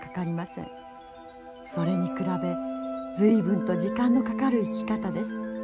それに比べ随分と時間のかかる生き方です。